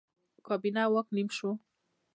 کابینه او واک نیم شو.